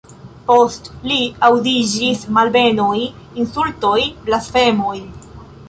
Post li aŭdiĝis malbenoj, insultoj, blasfemoj!